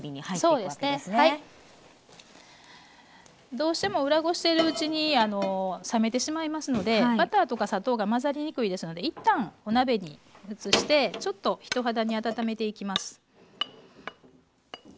どうしても裏ごしているうちに冷めてしまいますのでバターとか砂糖が混ざりにくいですので一旦お鍋に移してちょっと人肌に温めていきます。